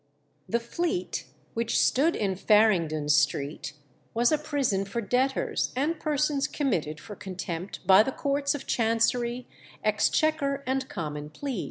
The Fleet, which stood in Farringdon Street, was a prison for debtors and persons committed for contempt by the courts of Chancery, Exchequer, and Common Pleas.